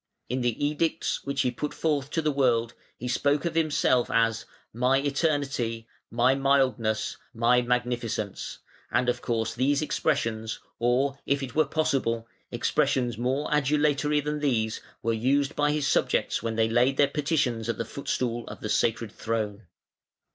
In the edicts which he put forth to the world he spoke of himself as "My Eternity", "My Mildness", "My Magnificence", and of course these expressions, or, if it were possible, expressions more adulatory than these, were used by his subjects when they laid their petitions at the footstool of "the sacred throne".